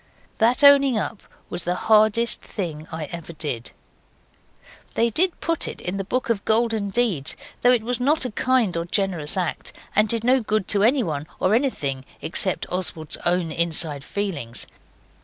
That owning up was the hardest thing I ever did. They did put that in the Book of Golden Deeds, though it was not a kind or generous act, and did no good to anyone or anything except Oswald's own inside feelings.